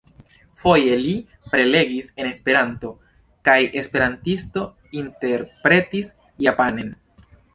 Foje li prelegis en Esperanto, kaj esperantisto interpretis japanen.